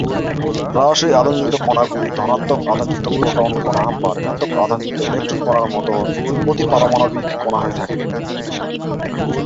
প্রায়শই আধানযুক্ত কণাগুলি ধনাত্মক আধানযুক্ত প্রোটন কণা বা ঋণাত্মক আধানযুক্ত ইলেকট্রন কণার মতো অতিপারমাণবিক কণা হয়ে থাকে।